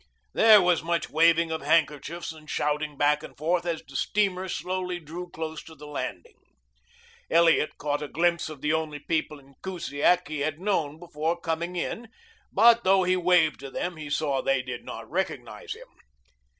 There was much waving of handkerchiefs and shouting back and forth as the steamer slowly drew close to the landing. Elliot caught a glimpse of the only people in Kusiak he had known before coming in, but though he waved to them he saw they did not recognize him.